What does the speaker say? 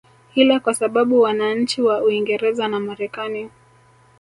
ila kwa sababu wananchi wa Uingereza na Marekani